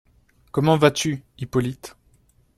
comment vas-tu, Hippolyte?